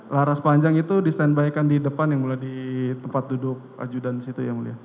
laras panjang itu di standby kan di depan yang mulia di tempat duduk ajudan situ ya mulia